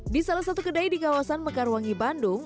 di salah satu kedai di kawasan mekarwangi bandung